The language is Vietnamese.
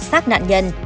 xác nạn nhân